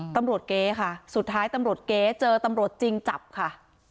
เก๋ค่ะสุดท้ายตำรวจเก๊เจอตำรวจจริงจับค่ะ